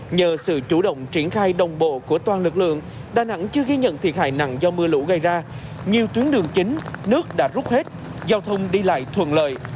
nhờ sự chủ động triển khai đồng bộ của toàn lực lượng đà nẵng chưa ghi nhận thiệt hại nặng do mưa lũ gây ra nhiều tuyến đường chính nước đã rút hết giao thông đi lại thuận lợi